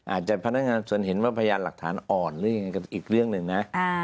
พนักงานส่วนเห็นว่าพยานหลักฐานอ่อนหรือยังไงอีกเรื่องหนึ่งนะ